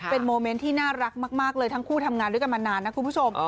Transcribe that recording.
เป็นโมเมนต์ที่น่ารักมากเลยทั้งคู่ทำงานด้วยกันมานานนะคุณผู้ชม